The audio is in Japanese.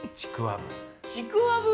ちくわぶ？